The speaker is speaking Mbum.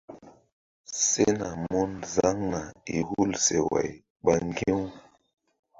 Sena mun zaŋna i hul seway ɓ ŋgi̧-u.